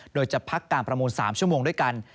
โดยจะพักการประมูล๓ชั่วโมงด้วยกัน